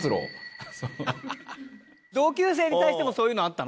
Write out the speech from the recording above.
同級生に対してもそういうのあったの？